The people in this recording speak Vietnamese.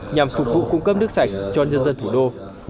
nhằm phục vụ cung cấp nước sạch cho nhân dân thủ đô